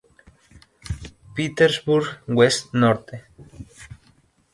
Petersburg West No.